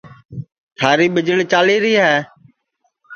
تھاری ٻیجݪی چالیری ہے